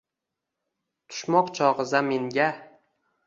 Tushmoq chog’i zaminga…